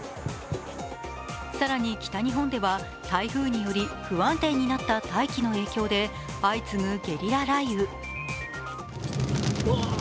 更に北日本では台風により不安定になった大気の影響で相次ぐゲリラ雷雨。